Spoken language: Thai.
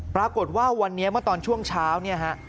ปรากฏว่าวันนี้เมื่อตอนช่วงเช้า